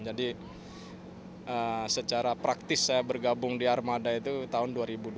jadi secara praktis saya bergabung di armada itu tahun dua ribu dua